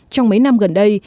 trong mấy năm gần đây